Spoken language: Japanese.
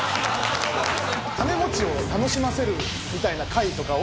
金持ちを楽しませるみたいな会とかを。